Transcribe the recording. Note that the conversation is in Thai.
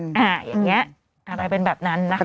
อย่างนี้อะไรเป็นแบบนั้นนะคะ